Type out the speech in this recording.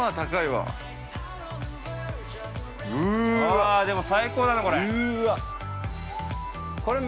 ◆わー、でも、最高だね、これ。